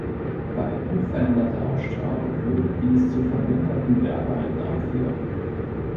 Bei unveränderter Ausstrahlung würde dies zu verminderten Werbeeinnahmen führen.